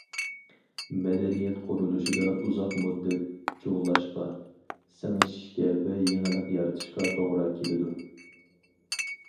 مەدەنىيەت قۇرۇلۇشىدا ئۇزاق مۇددەت جۇغلاشقا، سىڭىشىشكە ۋە يېڭىلىق يارىتىشقا توغرا كېلىدۇ.